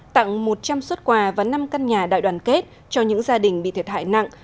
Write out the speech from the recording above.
tặng một trăm linh xuất quà và năm căn nhà đại đoàn kết cho những gia đình bị thiệt hại nặng